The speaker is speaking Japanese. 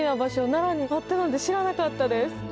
奈良にあったなんて知らなかったです。